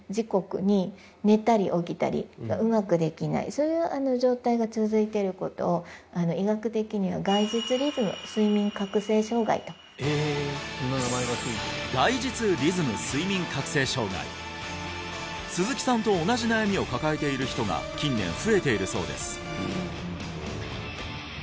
そういう状態が続いていることを医学的には概日リズム睡眠覚醒障害鈴木さんと同じ悩みを抱えている人が近年増えているそうです